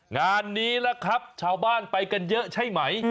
งานนี้ล่ะครับชาวบ้านไปกันเยอะใช่ไหม